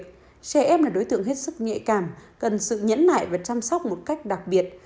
trẻ em là đối tượng hết sức nhẹ cảm cần sự nhẫn nải và chăm sóc một cách đặc biệt